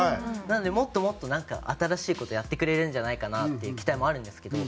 なのでもっともっとなんか新しい事をやってくれるんじゃないかなっていう期待もあるんですけど。